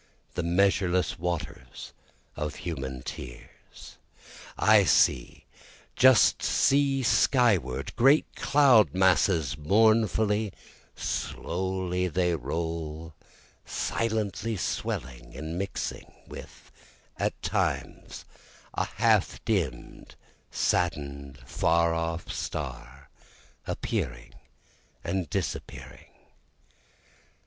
the measureless waters of human tears?) I see, just see skyward, great cloud masses, Mournfully slowly they roll, silently swelling and mixing, With at times a half dimm'd sadden'd far off star, Appearing and disappearing.